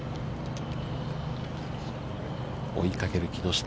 追いかける木下。